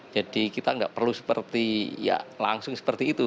kita nggak perlu seperti ya langsung seperti itu